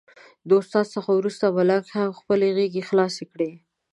د استاد څخه وروسته ملنګ هم خپلې غېږې خلاصې کړې.